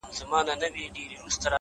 خو لا يې سترگي نه دي سرې خلگ خبري كـوي،